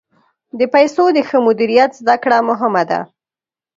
د پیسو د ښه مدیریت زده کړه مهمه ده.